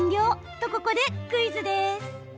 と、ここでクイズです。